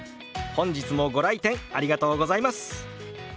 本日もご来店ありがとうございます。